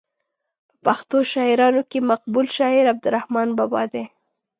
په پښتو شاعرانو کې مقبول شاعر عبدالرحمان بابا دی.